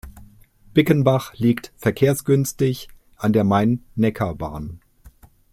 Bickenbach liegt verkehrsgünstig an der Main-Neckar-Bahn.